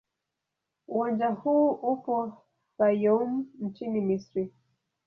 Uwanja huu upo Fayoum nchini Misri.